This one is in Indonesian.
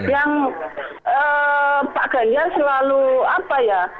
yang pak ganjar selalu apa ya